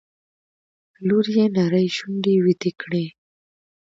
لور يې نرۍ شونډې ويتې کړې.